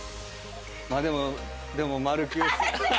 まあでもでもマルキュー。